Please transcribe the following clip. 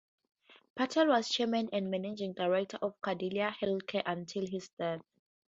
Patel was chairman and managing director of Cadila Healthcare until his death.